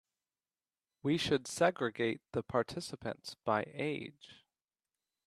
We should segregate the participants by age.